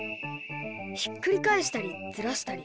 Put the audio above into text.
ひっくり返したりずらしたり。